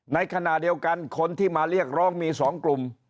ในขณะเดียวกันคนที่มาเรียกร้องมี๒กลุ่ม